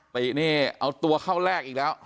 ตินี่เอาตัวเข้าแรกอีกแล้ว